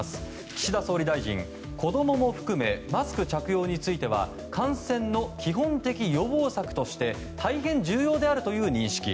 岸田総理大臣子供も含めマスク着用については感染の基本的予防策として大変重要であるという認識。